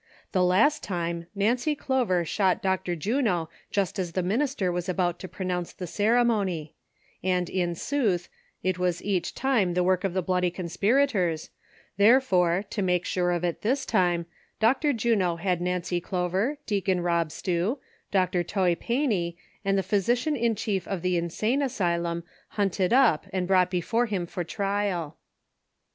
The last time Nancy Clover shot Dr. Juno just as the minister was about to pro nounce the ceremony ; and in sootli, it was eacli time tlie work of the bloody conspirators, therefore, to make sure of it this time, Dr. Juno had Xancy Clover, Deacon Rob Slew, Dr. Toy Fancy and tlie physician in chief of the insane asylum hunted up and brought before him for trial.